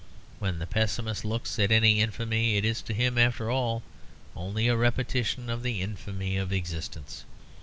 When the pessimist looks at any infamy, it is to him, after all, only a repetition of the infamy of existence.